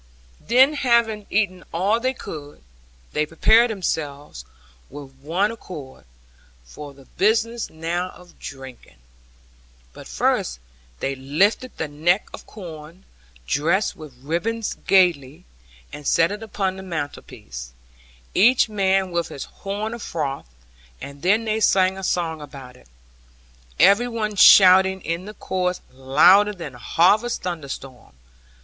Then having eaten all they could, they prepared themselves, with one accord, for the business now of drinking. But first they lifted the neck of corn, dressed with ribbons gaily, and set it upon the mantelpiece, each man with his horn a froth; and then they sang a song about it, every one shouting in the chorus louder than harvest thunderstorm.